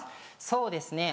そうですね